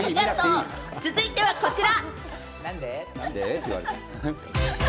続いてはこちら。